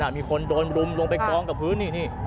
มีคนโดนรุ่มลงไปกล้องกับพื้น